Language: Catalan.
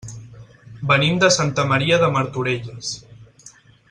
Venim de Santa Maria de Martorelles.